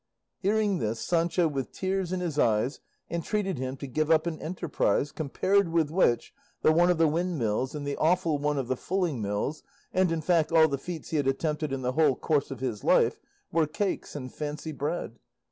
Hearing this, Sancho with tears in his eyes entreated him to give up an enterprise compared with which the one of the windmills, and the awful one of the fulling mills, and, in fact, all the feats he had attempted in the whole course of his life, were cakes and fancy bread.